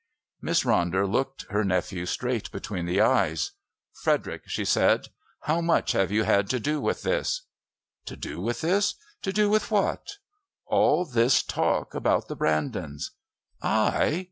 Miss Ronder looked her nephew straight between the eyes. "Frederick," she said, "how much have you had to do with this?" "To do with this? To do with what?" "All this talk about the Brandons." "I!